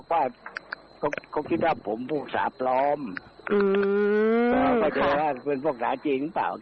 ว่าก็คิดว่าผมผู้สาปรอมเอ่อเอาเธอ๑๙๑๘แี่ปมันไปผมก็ไม่มีอะไรกัน